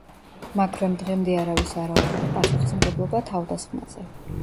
მაგრამ დღემდე არავის არ აუღია პასუხისმგებლობა თავდასხმაზე.